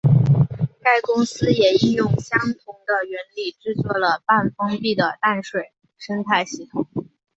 该公司也应用相同的原理制作了半封闭的淡水生态系统。